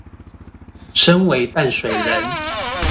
身為淡水人